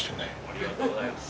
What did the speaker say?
ありがとうございます。